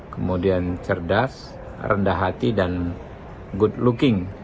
kemudian cerdas rendah hati dan good looking